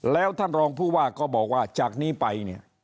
แล้วท่านรองผู้ว่าก็บอกว่าจากนี้ไปเนี่ย